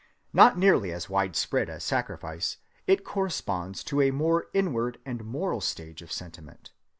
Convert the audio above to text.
Not nearly as widespread as sacrifice, it corresponds to a more inward and moral stage of sentiment.